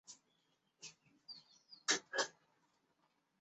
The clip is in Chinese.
张玄靓于和平元年获张祚封为凉武侯。